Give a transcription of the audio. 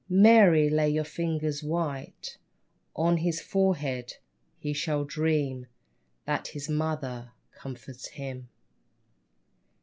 Mary, lay your fingers white On his forehead ! He shall dream That his mother comforts him.